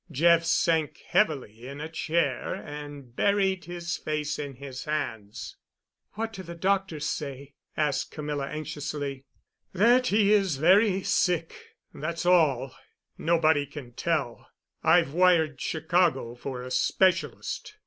Jeff sank heavily in a chair and buried his face in his hands. "What do the doctors say?" asked Camilla anxiously. "That he's very sick—that's all. Nobody can tell. I've wired Chicago for a specialist.